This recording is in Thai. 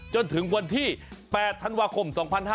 จนถึงวันที่๘ธันวาคม๒๕๕๙